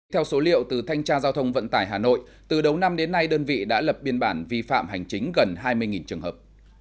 theo số liệu từ thanh tra giao thông vận tải hà nội từ đầu năm đến nay đơn vị đã lập biên bản vi phạm hành chính gần hai mươi trường hợp